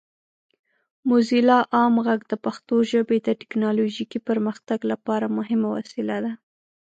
موزیلا عام غږ د پښتو ژبې د ټیکنالوجیکي پرمختګ لپاره مهمه وسیله ده.